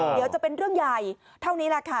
เดี๋ยวจะเป็นเรื่องใหญ่เท่านี้แหละค่ะ